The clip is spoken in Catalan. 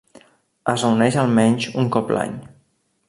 Es reuneix almenys un cop l'any.